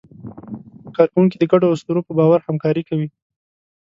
کارکوونکي د ګډو اسطورو په باور همکاري کوي.